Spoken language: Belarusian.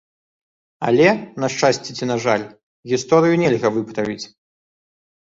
Але, на шчасце ці на жаль, гісторыю нельга выправіць.